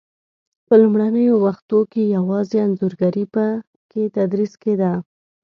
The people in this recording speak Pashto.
په لومړنیو وختو کې یوازې انځورګري په کې تدریس کېده.